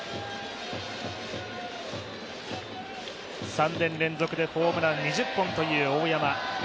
３年連続でホームラン２０本という大山。